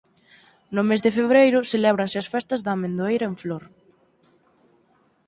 No mes de febreiro celébranse as festas da amendoeira en flor.